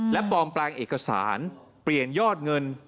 และปลอมแปลงเอกสารเปลี่ยนยอดเงิน